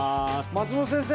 松本先生。